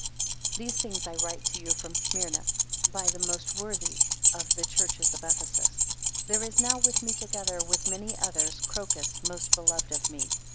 12 These things I write to you from Smyrna, by the most worthy of the church of Ephesus. 13 There is now with me, together with many others, Crocus, most beloved of me.